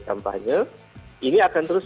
kampanye ini akan terus